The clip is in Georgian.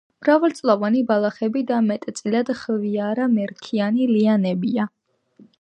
მრავალწლოვანი ბალახები და მეტწილად ხვიარა, მერქნიანი ლიანებია.